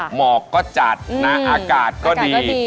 เหมาะก็จัดหนาอากาศก็ดี